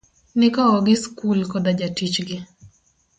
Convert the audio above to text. Nikowo gi skul koda jatich gi.